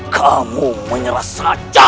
kamu menyerah saja